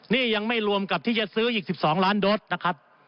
นี่ยังไม่รวมกับที่จะซื้ออีก๑๒ล้านโดสนะครับ